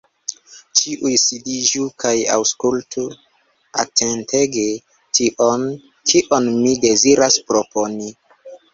Ĉiuj sidiĝu kaj aŭskultu atentege tion, kion mi deziras proponi.